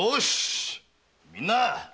みんな。